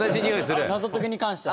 謎解きに関してはね。